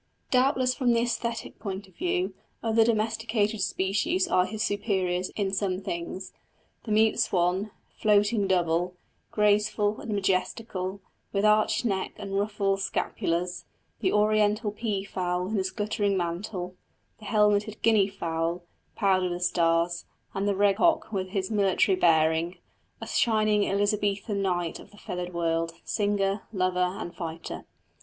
Doubtless from the æsthetic point of view other domesticated species are his superiors in some things: the mute swan, "floating double," graceful and majestical, with arched neck and ruffled scapulars; the oriental pea fowl in his glittering mantle; the helmeted guinea fowl, powdered with stars, and the red cock with his military bearing a shining Elizabethan knight of the feathered world, singer, lover, and fighter.